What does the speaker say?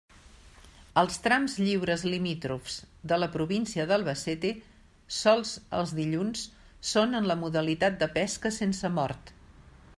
Als trams lliures limítrofs de la província d'Albacete sols els dilluns són en la modalitat de pesca sense mort.